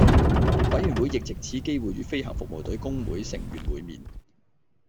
委員會亦藉此機會與飛行服務隊工會成員會面